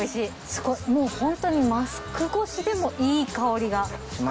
すごいもうホントにマスク越しでもいい香りが。